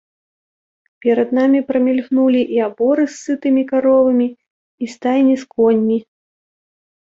Перад намі прамільгнулі і аборы з сытымі каровамі, і стайні з коньмі.